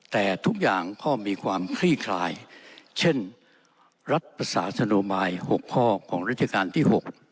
แต่ทุกอย่างก็มีความคลี่คลายเช่นรัฐประสาสโนมาย๖ข้อของราชการที่๖